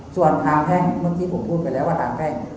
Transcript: ส่วนทางแพ่งเมื่อกี้ผมพูดไปแล้วว่าทางแพ่ง